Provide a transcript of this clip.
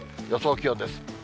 予想気温です。